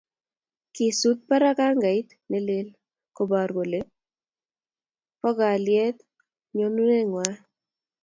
Kisut barak angait ne lel koboru kole bo kalyet nyonuneng'wang'